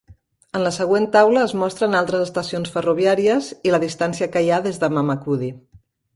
En la següent taula es mostren altres estacions ferroviàries i la distància que hi ha des de Mamakudi.